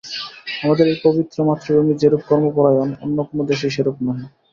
আমাদের এই পবিত্র মাতৃভূমি যেরূপ কর্মপরায়ণ, অন্য কোন দেশেই সেরূপ নহে।